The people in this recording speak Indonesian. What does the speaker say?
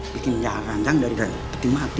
bikin ranjang dari peti mati